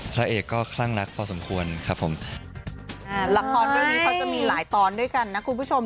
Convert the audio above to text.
พระเอกก็คลั่งรักพอสมควรครับผมอ่าละครเรื่องนี้เขาจะมีหลายตอนด้วยกันนะคุณผู้ชม